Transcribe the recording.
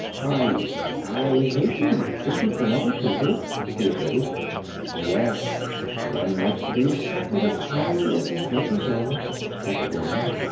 "I I hate to be different from other people," he admitted. "Yes; one likes to be respected as highly as his neighbors are," said the woman.